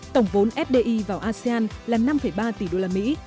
tổng vốn fdi vào asean là năm ba tỷ usd